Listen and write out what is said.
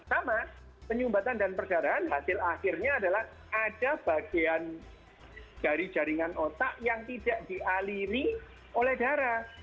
sama penyumbatan dan perdarahan hasil akhirnya adalah ada bagian dari jaringan otak yang tidak dialiri oleh darah